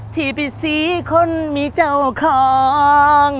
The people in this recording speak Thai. ที่ผิดสีคนมีเจ้าคล้อง